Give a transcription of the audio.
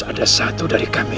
akan mem discovery